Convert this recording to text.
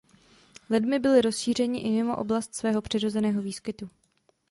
Lidmi byli rozšířeni i mimo oblast svého přirozeného výskytu.